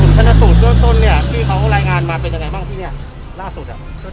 ชนสูตรเบื้องต้นเนี่ยที่เขารายงานมาเป็นยังไงบ้างที่เนี่ยล่าสุดอ่ะ